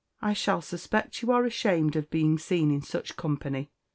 I shall suspect you are ashamed of being seen in such company.